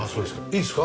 いいですか？